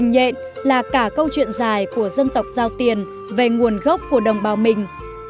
các hình đó hình nhện là cả câu chuyện dài của dân tộc dao tiền về nguồn gốc của đồng bào mình